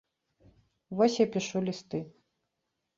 Вось я пішу лісты.